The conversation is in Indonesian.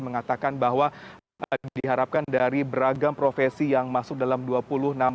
mengatakan bahwa diharapkan dari beragam profesi yang masuk dalam dua puluh nama